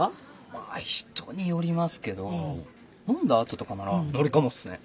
まぁ人によりますけど飲んだ後とかならノリかもっすね。